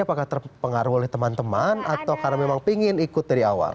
apakah terpengaruh oleh teman teman atau karena memang pingin ikut dari awal